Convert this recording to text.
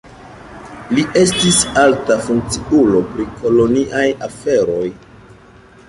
Li estis alta funkciulo pri koloniaj aferoj.